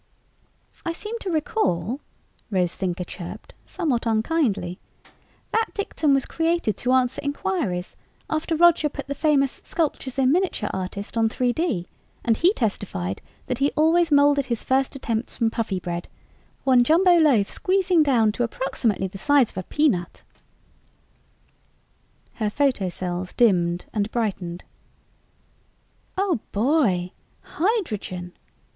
"I seem to recall," Rose Thinker chirped somewhat unkindly, "that dictum was created to answer inquiries after Roger put the famous sculptures in miniature artist on 3D and he testified that he always molded his first attempts from Puffybread, one jumbo loaf squeezing down to approximately the size of a peanut." Her photocells dimmed and brightened. "Oh, boy hydrogen!